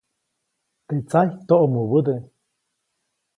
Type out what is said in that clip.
Teʼ tsajy toʼmubäde.